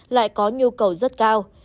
lại có nhu cầu rất cao